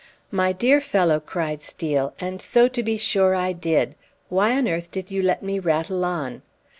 "My dear fellow," cried Steel, "and so, to be sure, I did! Why on earth did you let me rattle on?